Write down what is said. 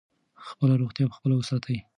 خپله روغتیا په خپله وساتئ.